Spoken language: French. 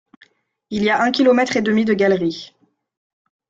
Il y a un kilomètre et demi de galeries.